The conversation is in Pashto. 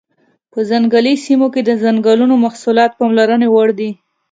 په ځنګلي سیمو کې د ځنګلونو محصولات پاملرنې وړ دي.